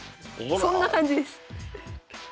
そんな感じです。